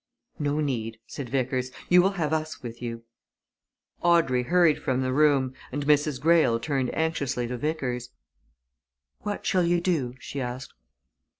"No need!" said Vickers. "You will have us with you." Audrey hurried from the room, and Mrs. Greyle turned anxiously to Vickers. "What shall you do?" she asked.